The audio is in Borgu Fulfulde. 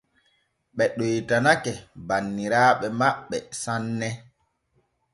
Ɓe ɗoytanake banniraaɓe maɓɓe sanne.